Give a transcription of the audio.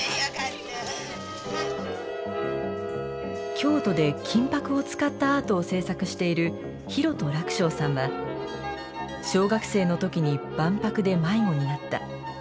京都で金箔を使ったアートを制作している裕人礫翔さんは小学生の時に万博で迷子になった。